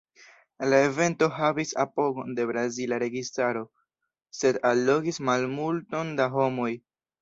La evento havis apogon de brazila registaro, sed allogis malmulton da homoj.